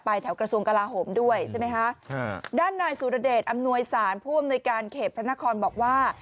แถวกระทรวงกลาโหมด้วยใช่ไหมคะด้านนายสุรเดชอำนวยสารผู้อำนวยการเขตพระนครบอกว่า